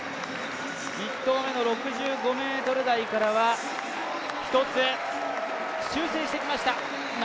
１投目の６５ｍ台からは一つ、修正してきました。